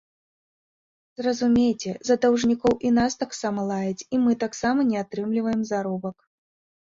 Зразумейце, за даўжнікоў і нас таксама лаяць, і мы таксама не атрымліваем заробак.